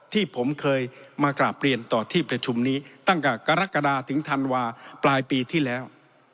ที่ผมเคยมากราบเรียนต่อที่ประชุมนี้ตั้งแต่กรกฎาถึงธันวาปลายปีที่แล้ว